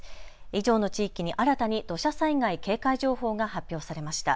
以上の地域に新たに土砂災害警戒情報が発表されました。